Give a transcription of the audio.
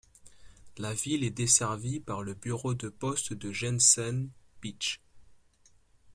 La ville est desservie par le bureau de poste de Jensen Beach.